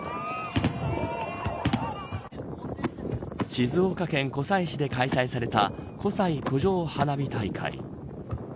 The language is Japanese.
静岡県湖西市で開催された湖西湖上花火大会。